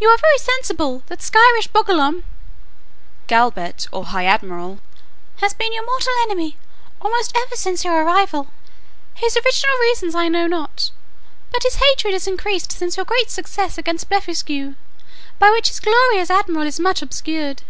"You are very sensible that Skyresh Bolgolam" (galbet, or high admiral) "has been your mortal enemy, almost ever since your arrival. His original reasons I know not; but his hatred is increased since your great success against Blefuscu, by which his glory as admiral is much obscured.